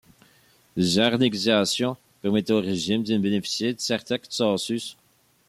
Ce genre de négociation permettait au régime de bénéficier d’un certain consensus.